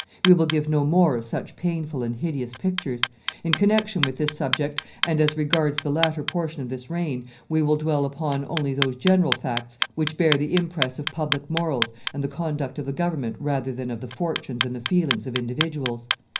We will give no more of such painful and hideous pictures; in connection with this subject, and as regards the latter portion of this reign, we will dwell upon only those general facts which bear the impress of public morals and the conduct of the government rather than of the fortunes and the feelings of individuals.